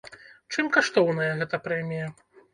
Чым каштоўная гэта прэмія?